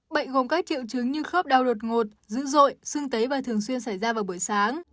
bệnh gồm các triệu chứng như khớp đau đột ngột dữ dội xương tấy và thường xuyên xảy ra vào buổi sáng